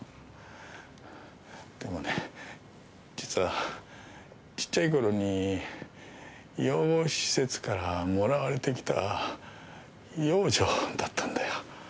でもね実はちっちゃい頃に養護施設からもらわれてきた養女だったんだよ。